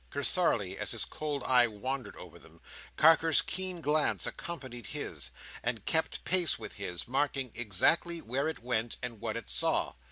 Cursorily as his cold eye wandered over them, Carker's keen glance accompanied his, and kept pace with his, marking exactly where it went, and what it saw.